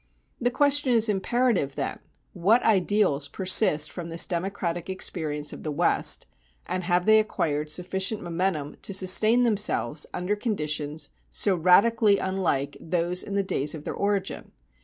The question is imperative, then, What ideals persist from this democratic experience of the West; and have they acquired sufficient momentum to sustain themselves under conditions so radically unlike those in the days of their origin?